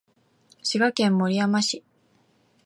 滋賀県守山市